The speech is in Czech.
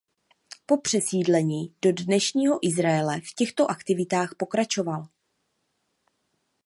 Po přesídlení do dnešního Izraele v těchto aktivitách pokračoval.